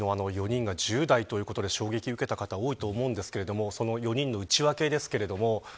１０代ということで衝撃を受けた方が多いと思いますが４人の内訳です。